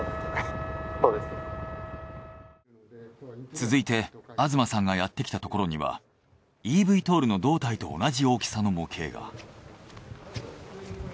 続いて東さんがやってきたところにはｅＶＴＯＬの胴体と同じ大きさの模型が。